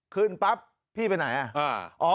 ขึ้นปั๊บพี่ไปไหนอ่ะ